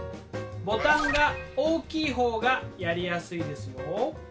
ボタンが大きい方がやりやすいですよ。